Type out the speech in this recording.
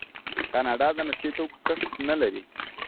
کاناډا د نشه یي توکو کښت نلري.